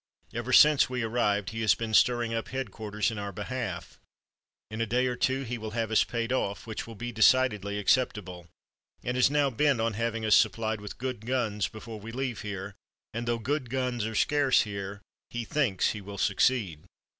Ever since we arrived, he has been stirring up headquarters in our behalf. In a day or two he will have us paid off, which will be decidedly acceptable; and is now bent on having us supplied with good guns before we leave here, and though good guns are scarce here, he thinks he will succeed.